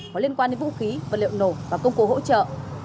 có liên quan đến vũ khí vật liệu nổ và công cụ hỗ trợ